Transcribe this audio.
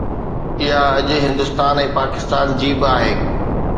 اها آڇ هندستان ۽ پاڪستان جي به آهي